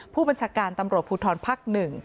ผู้บัญชาการตำรวจภูทรภักดิ์๑